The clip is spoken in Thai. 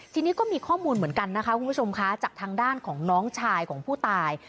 ทีนี้ก็มีข้อมูลเหมือนกันนะคะคุณผู้ชมคะจากทางด้านของน้องชายของผู้ตาย